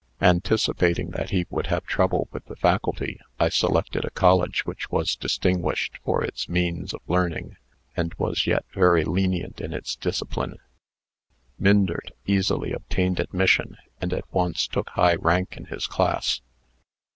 Anticipating that he would have trouble with the Faculty, I selected a college which was distinguished for its means of learning, and was jet very lenient in its discipline. Myndert easily obtained admission, and at once took high rank in his class.